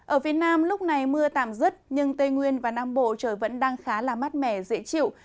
ở phía nam lúc này mưa tạm dứt nhưng tây nguyên và nam bộ trời vẫn đang khá là mát mẻ dễ chịu